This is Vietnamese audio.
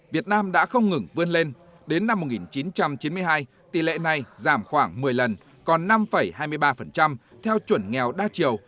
việt nam đã không ngừng vươn lên đến năm một nghìn chín trăm chín mươi hai tỷ lệ này giảm khoảng một mươi lần còn năm hai mươi ba theo chuẩn nghèo đa chiều